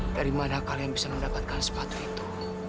dari mana kalian bisa mendapatkan sepatu itu